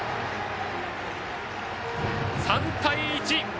３対１！